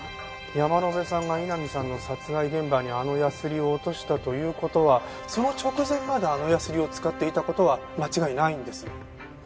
山野辺さんが井波さんの殺害現場にあのヤスリを落としたという事はその直前まであのヤスリを使っていた事は間違いないんです。